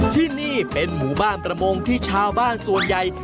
ที่นี่เป็นหมู่บ้านประมงที่ชาวบ้านส่วนใหญ่